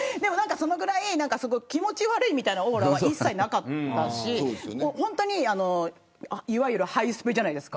そのぐらい気持ち悪いみたいなオーラは一切なかったしいわゆるハイスぺじゃないですか。